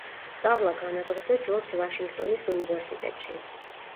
სწავლა განაგრძო ჯორჯ ვაშინგტონის უნივერსიტეტში.